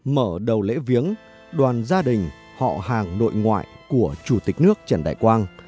mở đầu lễ viếng đoàn gia đình họ hàng nội ngoại của chủ tịch nước trần đại quang